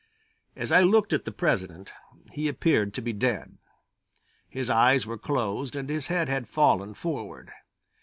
As I looked at the President, he appeared to be dead. His eyes were closed and his head had fallen forward.